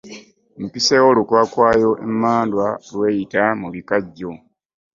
Mpiseewo lukwakwayo emmandwa lweyita mu bikajjo.